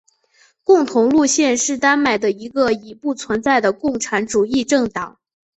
共同路线是丹麦的一个已不存在的共产主义政党。